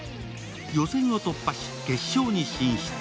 予選を突破し決勝に進出。